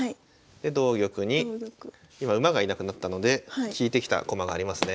で同玉に今馬が居なくなったので利いてきた駒がありますね。